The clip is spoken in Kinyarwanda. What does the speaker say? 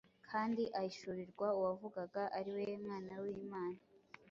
kandi ahishurirwa Uwavugaga- ari we Mwana w’Imana.